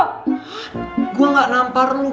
hah gue gak nampar lo